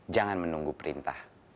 jangan menunggu perintah